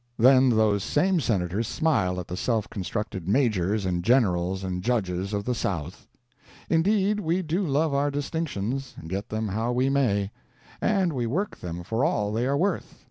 Then those same Senators smile at the self constructed majors and generals and judges of the South! Indeed, we do love our distinctions, get them how we may. And we work them for all they are worth.